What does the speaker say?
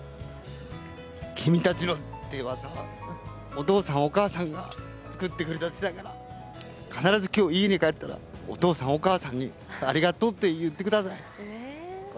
君たちの衣装はお父さんお母さんが作ってくれたものだから必ず今日、家に帰ったらお父さん、お母さんに「ありがとう」って言ってください。